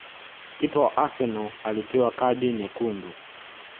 Kipa wa Arsenal alipewa kadi nyekundu